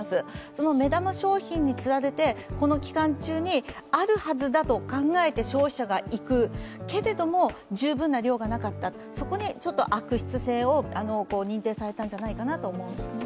その目玉商品につられてこの期間中にあるはずだと考えて消費者が行く、けれども、十分な量がなかった、そこに悪質性を認定されたんじゃないかなと思うんですね。